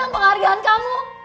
mana penghargaan kamu